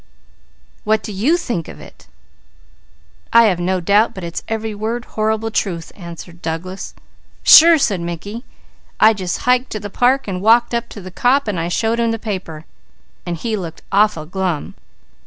What do you think of it?" "I have no doubt but it's every word horrible truth," answered Douglas. "Sure!" said Mickey. "I just hiked to the park and walked up to the cop and showed him the paper, and he looked awful glum.